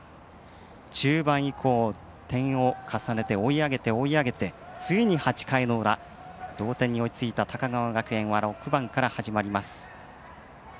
中盤以降、点を重ねて追い上げて追い上げてついに８回の裏同点に追いついた高川学園は６番から始まります。